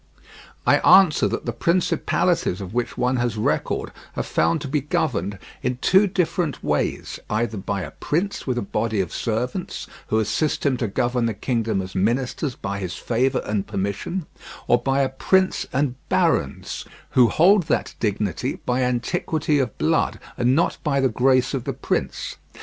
I answer that the principalities of which one has record are found to be governed in two different ways; either by a prince, with a body of servants, who assist him to govern the kingdom as ministers by his favour and permission; or by a prince and barons, who hold that dignity by antiquity of blood and not by the grace of the prince.